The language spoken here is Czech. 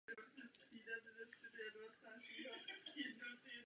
Zemřela o několik hodin po útoku v Moskevské nemocnici.